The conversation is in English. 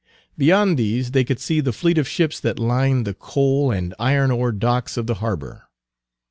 Beyond these they could see the fleet of ships that lined the coal and iron ore docks of the harbor.